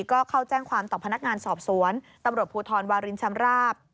ก็เข้าแจ้งความต่อพนักงานสอบสวนตำรวจภูทรวารินชำราบ